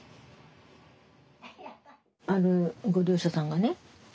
あるご利用者さんがね